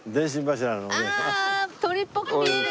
ああ鳥っぽく見える！